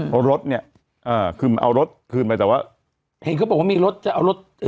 เพราะรถเนี้ยอ่าคือเอารถคืนไปแต่ว่าเห็นเขาบอกว่ามีรถจะเอารถ